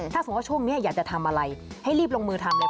ถ้าสมมุติว่าช่วงนี้อยากจะทำอะไรให้รีบลงมือทำเลย